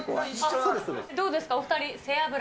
どうですか、お２人。